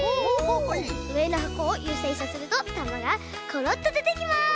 うえのはこをゆさゆさするとたまがコロッとでてきます！